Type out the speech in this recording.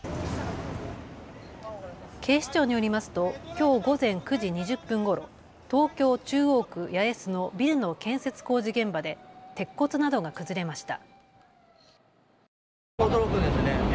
警視庁によりますときょう午前９時２０分ごろ、東京中央区八重洲のビルの建設工事現場で鉄骨などが崩れました。